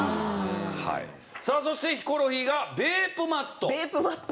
さあそしてヒコロヒーがベープマット。